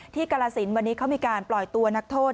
ที่กะละสินทร์วันนี้เขามีการปล่อยตัวนักโทษ